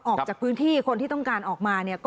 ออกจากพื้นที่คนที่ต้องการออกมาเนี่ย